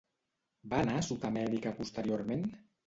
Va anar a Sud-amèrica posteriorment?